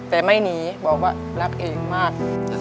แต่ไม่หนีบอกว่ารักเองมาก